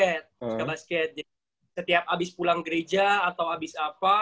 suka basket jadi setiap abis pulang gereja atau abis apa